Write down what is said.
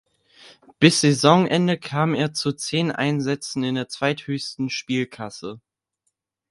Bis Saisonende kam er zu zehn Einsätzen in der zweithöchsten Spielklasse.